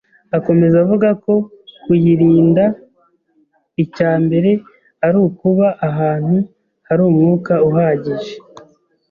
Akomeza avuga ko kuyirinda, icya mbere ari ukuba ahantu hari umwuka uhagije